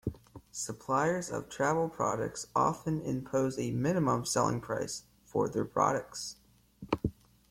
Suppliers of travel products often impose a minimum selling price for their products.